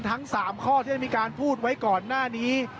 ทั้ง๓ข้อที่ได้มีการพูดไว้ก่อนหน้านี้